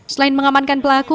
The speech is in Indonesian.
selain mengamankan pelaku